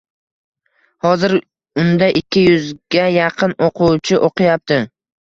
hozir unda ikki yuzga yaqin o‘quvchi o‘qiyapti.